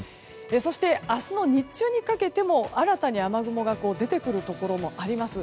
そして明日の日中にかけても新たに雨雲が出てくるところもあります。